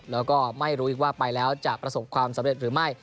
แล้วก็ไม่รู้อีกว่าไปแล้วจะประสบความสำเร็จหรือไม่